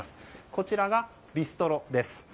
こちらが、ビストロです。